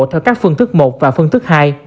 theo các phương thức một và phương thức hai